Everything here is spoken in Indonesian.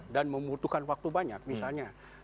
dan membutuhkan waktu banyak misalnya